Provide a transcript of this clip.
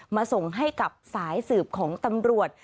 มาส่งให้กับสายสืบของตำรวจ